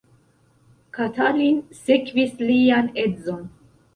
Katalin sekvis lian edzon.